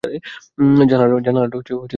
জানালাটা বন্ধ করো।